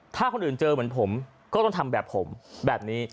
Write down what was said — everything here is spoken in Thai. ถ้าคนอื่นเจอเหมือนผมก็ต้องทำแบบผมแบบนี้